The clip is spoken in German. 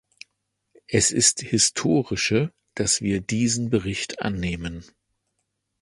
Es ist historische, dass wir diesen Bericht annehmen.